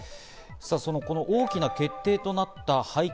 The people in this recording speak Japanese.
この大きな決定となった背景。